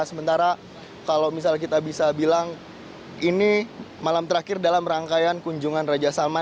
sementara kalau misalnya kita bisa bilang ini malam terakhir dalam rangkaian kunjungan raja salman